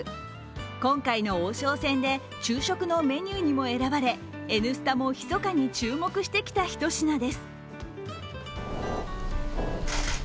今回の王将戦で昼食のメニューにも選ばれ「Ｎスタ」もひそかに注目してきた一品です。